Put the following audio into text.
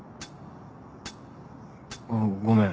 あぁごめん。